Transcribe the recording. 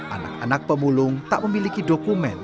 anak anak pemulung tak memiliki dokumen